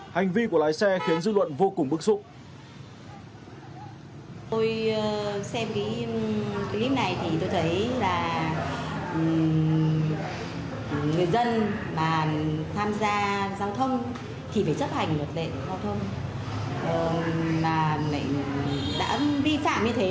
hành vi của lái xe khiến dư luận vô cùng bức xúc